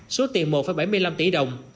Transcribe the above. số tiền một bảy mươi năm tỷ đồng